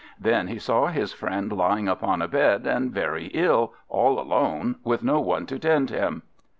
Then he saw his friend lying upon a bed, and very ill, all alone, with no one to tend him.